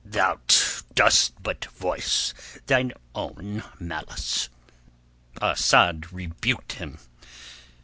"Thou dost but voice thine own malice," Asad rebuked him.